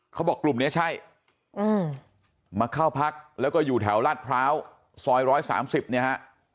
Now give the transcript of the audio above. กลุ่มนี้ใช่มาเข้าพักแล้วก็อยู่แถวลาดพร้าวซอย๑๓๐เนี่ยฮะ